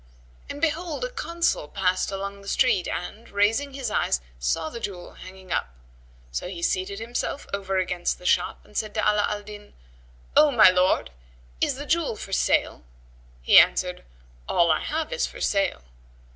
And behold, a Consul[FN#116] passed along the street; and, raising his eyes, saw the jewel hanging up; so he seated himself over against the shop and said to Ala al Din, "O my lord, is the jewel for sale?" He answered, "All I have is for sale."